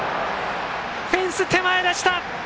フェンス手前でした。